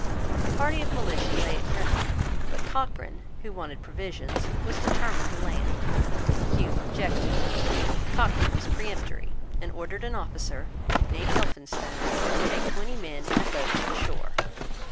A party of militia lay at Greenock: but Cochrane, who wanted provisions, was determined to land. Hume objected. Cochrane was peremptory, and ordered an officer, named Elphinstone, to take twenty men in a boat to the shore.